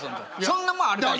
そんなもんあるか。